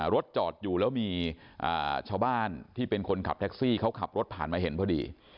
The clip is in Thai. รถจอดอยู่แล้วมีชาวบ้านที่เป็นคนขับแท็กซี่เขาขับรถผ่านมาเห็นพอดี